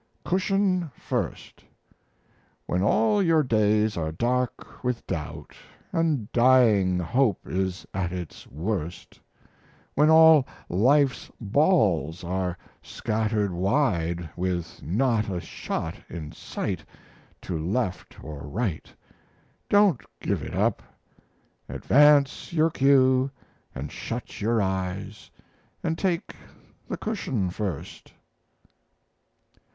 "CUSHION FIRST" When all your days are dark with doubt, And dying hope is at its worst; When all life's balls are scattered wide, With not a shot in sight, to left or right, Don't give it up; Advance your cue and shut your eyes, And take the cushion first.